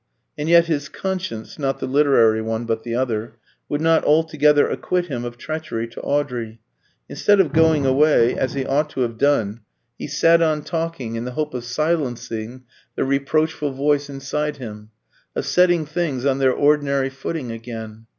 And yet his conscience (not the literary one, but the other) would not altogether acquit him of treachery to Audrey. Instead of going away, as he ought to have done, he sat on talking, in the hope of silencing the reproachful voice inside him, of setting things on their ordinary footing again.